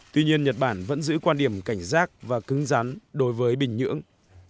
tuy nhiên nhật bản vẫn giữ quan điểm cảnh giác và cứng rắn đối với bình nhưỡng